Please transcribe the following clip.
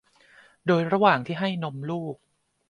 โดยระหว่างที่ให้นมลูก